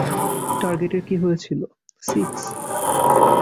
টার্গেটের কী হয়েছিল, সিক্স?